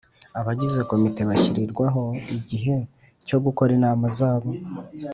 Abagize Komite bashyirirwaho igihe cyo gukora inama zabo